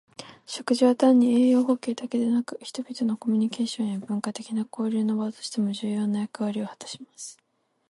食事は単に栄養補給だけでなく、人々のコミュニケーションや文化的な交流の場としても重要な役割を果たします。